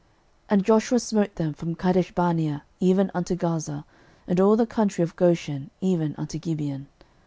06:010:041 And Joshua smote them from Kadeshbarnea even unto Gaza, and all the country of Goshen, even unto Gibeon.